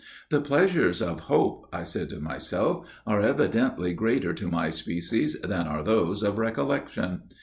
"The pleasures of hope," I said to myself, "are evidently greater to my species than are those of recollection.